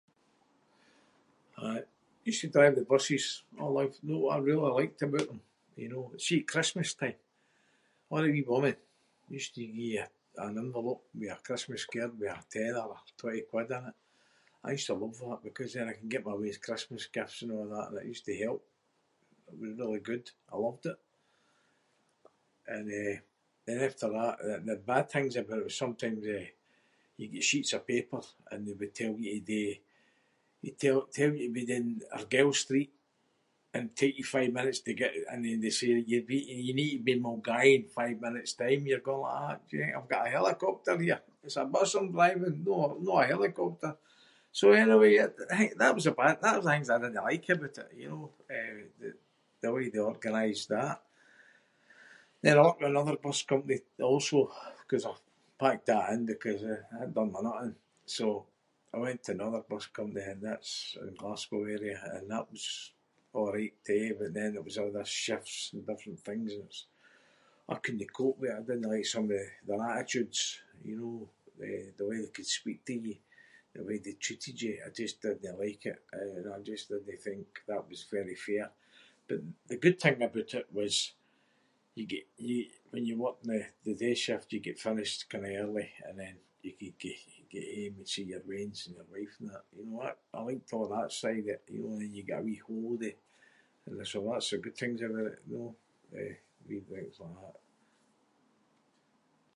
Aye, used to drive the buses. I liked- know what I really liked aboot them? You know, see at Christmas time, a' the wee women used to gie you a- an envelope with a Christmas card with a tenner or twenty quid in it. I used to love that because then I could get my weans Christmas gifts and a’ that and it used to help. It was really good. I loved it. And, eh, then after that the- the bad things aboot it was sometimes, eh, you got sheets of paper and they would tell you to do- you tell- tell you to be doing Argyle Street and take you five minutes to get in and they’d say be- you need to be in Milngavie in five minutes time. You’re going like that “do you think I’ve got a helicopter here? It’s a bus I’m driving, no a- no a helicopter!” So anyway, I think that was the bad th- that was the things I didnae like aboot it, you know? Eh, the- the way they organised that. Then I worked with another bus company also ‘cause I packed that in because, eh, that done my nut in, so I went to another bus company and that’s in Glasgow area and that was a’right too but then it was a’ this shifts and different things and it was – oh I couldnae cope with it. I didnae like some of the- their attitudes, you know, eh, the way they could speak to you. The way they treated you. I just didnae like it. Eh, you know, I just didnae think that was very fair. But the good thing aboot it was you got- you- when you worked in the- the day shift you got finished kinda early and then you could get- get hame and see your weans and your wife and that, you know? That- I liked a’ that side of it, you know, and you’d get a wee holiday and [inc] that’s the good things aboot it, you know? Eh, wee things like that.